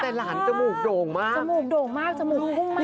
แต่หลานจมูกโด่งมากจมูกโด่งมากจมูกพุ่งมาก